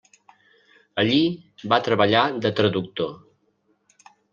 Allí va treballar de traductor.